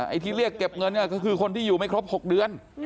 ไอ้ที่เรียกเก็บเงินก็คือคนที่อยู่ไม่ครบ๖เดือน